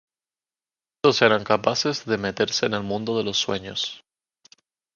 Estos eran capaces de meterse en el Mundo de los Sueños.